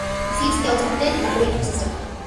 The seed scales are thin, leathery, and persistent.